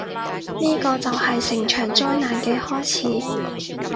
呢個就係成場災難嘅開始